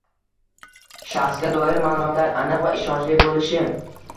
Shaxsga doir ma’lumotlar aniq va ishonchli bo‘lishi